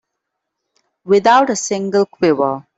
Without a single quiver.